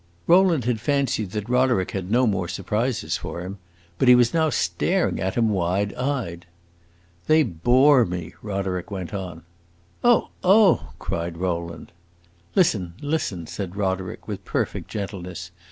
Rowland had fancied that Roderick had no more surprises for him; but he was now staring at him, wide eyed. "They bore me!" Roderick went on. "Oh, oh!" cried Rowland. "Listen, listen!" said Roderick with perfect gentleness.